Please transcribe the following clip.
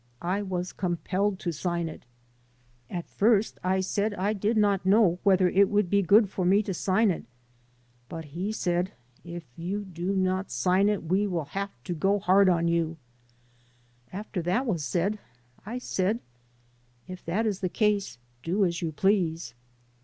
I was compelled to sign it ... at first I said I 42 THE DEPORTATION CASES did not know whether it would be good for me to sign it, but he said, 'if you do not sign it we will have to go hard on you/ After that was said, I said, 'if that is the case do as you please.'